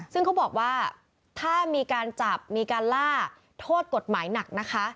ซึ่งเขาบอกว่าถ้ามีการจับมีการล่าโทษกฎหมายหนักนะคะ